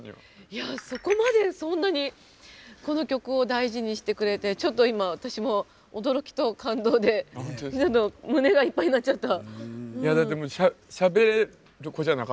そこまでそんなにこの曲を大事にしてくれてちょっと今私も驚きと感動で胸がいっぱいになっちゃった。